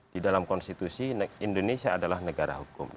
di dalam konstitusi indonesia adalah negara hukum